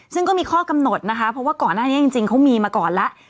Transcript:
ซึ่งก็มีข้อกำหนดนะคะเพราะว่าก่อนหน้านี้จริงเขามีมาก่อนแล้ว